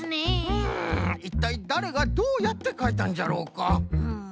うんいったいだれがどうやってかいたんじゃろうか？